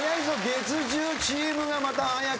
月１０チームがまた早かった。